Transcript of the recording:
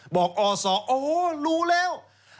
บอกอซโอ้โหรู้แล้ว